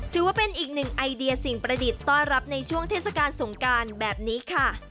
ถือว่าเป็นอีกหนึ่งไอเดียสิ่งประดิษฐ์ต้อนรับในช่วงเทศกาลสงการแบบนี้ค่ะ